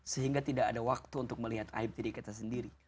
sehingga tidak ada waktu untuk melihat aib diri kita sendiri